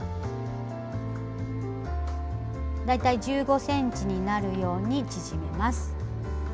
大体１５ｃｍになるように縮めます。